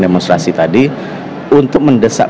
demonstrasi tadi untuk mendesak